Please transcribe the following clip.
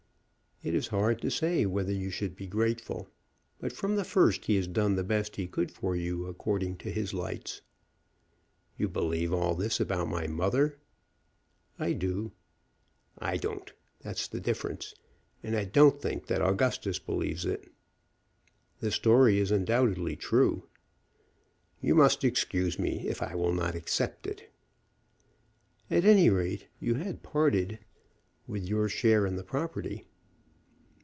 "It is hard to say whether you should be grateful. But, from the first, he has done the best he could for you, according to his lights." "You believe all this about my mother?" "I do." "I don't. That's the difference. And I don't think that Augustus believes it." "The story is undoubtedly true." "You must excuse me if I will not accept it." "At any rate, you had parted with your share in the property."